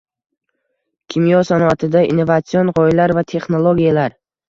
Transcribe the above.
Kimyo sanoatida innovatsion g’oyalar va texnologiyalar